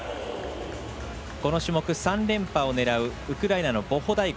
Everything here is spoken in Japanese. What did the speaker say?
この種目、３連覇を狙うウクライナのボホダイコ。